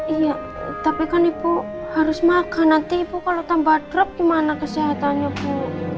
iya tapi kan ibu harus makan nanti ibu kalau tambah drup gimana kesehatannya bu